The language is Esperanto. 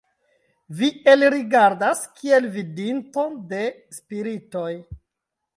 vi elrigardas, kiel vidinto de spiritoj!